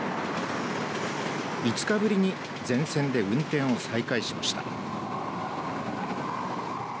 ５日ぶりに全線で運転を再開しました。